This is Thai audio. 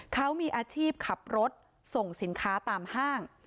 เขามีอาชีพขับรถส่งสินค้าตามห้าง